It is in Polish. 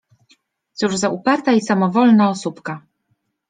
Cóż za uparta i samowolna osóbka!